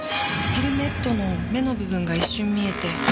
ヘルメットの目の部分が一瞬見えて。